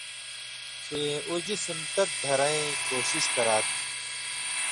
کھیں اُو جسِم تت دھرئیں کوشش کرا تُھو۔